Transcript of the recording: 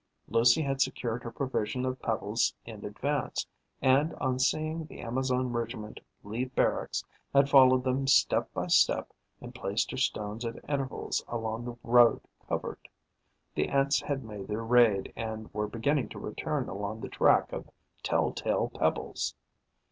Lucie had secured her provision of pebbles in advance and, on seeing the Amazon regiment leave barracks, had followed them step by step and placed her stones at intervals along the road covered. The Ants had made their raid and were beginning to return along the track of tell tale pebbles.